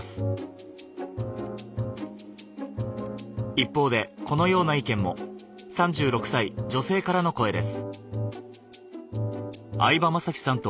一方でこのような意見も３６歳女性からの声です